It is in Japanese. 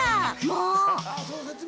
もう！